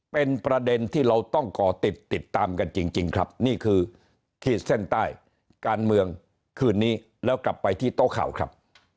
เป็นประเด็นที่เราต้องก่อติดติดตามกันจริงครับนี่คือขีดเส้นใต้การเมืองคืนนี้แล้วกลับไปที่โต๊ะข่าวครับ